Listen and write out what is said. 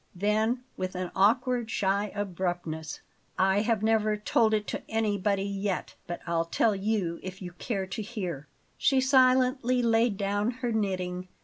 Then with an awkward, shy abruptness: "I have never told it to anybody yet; but I'll tell you if you care to hear." She silently laid down her knitting.